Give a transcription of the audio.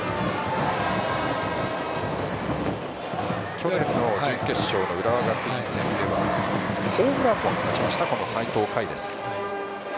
去年の準決勝の浦和学院戦ではホームランも放ちました齊藤海です。